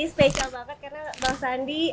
spesial banget karena bang sandi